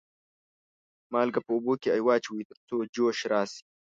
مالګه په اوبو کې واچوئ تر څو جوش راشي.